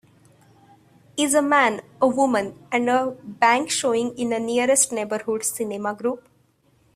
Is A Man, a Woman, and a Bank showing in the nearest Neighborhood Cinema Group